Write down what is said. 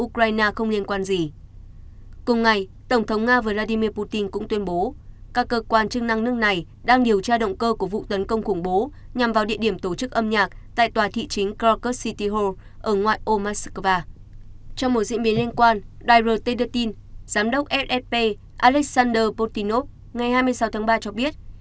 trong một diễn biến liên quan đài r t đưa tin giám đốc ffp alexander potinov ngày hai mươi sáu tháng ba cho biết